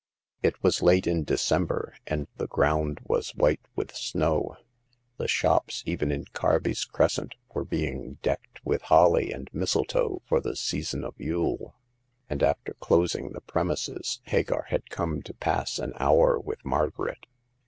It was late in December, and the ground was white with snow. The shops, even in Carby's Crescent, were being decked with holly and mistletoe for the season of Yule ; and, after clos ing the premises, Hagar had come to pass an hour with Margaret.